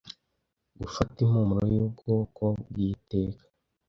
gufata impumuro yubwoko bwiteka